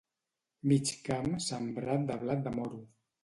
Mig camp sembrat de blat de moro.